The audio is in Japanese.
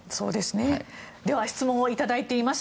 質問をいただいています。